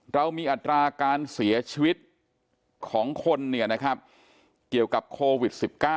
เรามีอัตราการเสียชีวิตของคนเกี่ยวกับโควิด๑๙